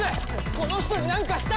この人になんかした？